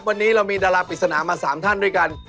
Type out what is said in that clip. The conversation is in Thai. วันนี้เรามีดาราปริศนามา๓ท่านด้วยกัน